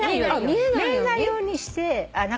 見えないようにして。